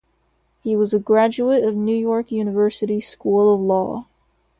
He was a graduate of New York University School of Law.